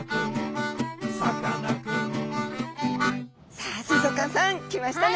さあ水族館さん来ましたね。